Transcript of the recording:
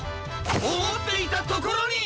おもっていたところに！